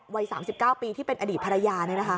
วัย๓๙ปีที่เป็นอดีตภรรยา